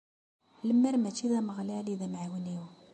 Lemmer mačči d Ameɣlal i d amɛiwen-iw.